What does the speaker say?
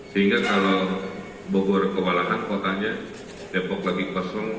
sehingga kalau bogor kewalahan kotanya depok lagi kosong